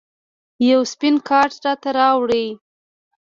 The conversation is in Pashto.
یو سپین کارت راته راوړئ